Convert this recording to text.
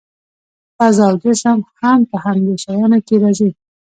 فضا او جسم هم په همدې شیانو کې راځي.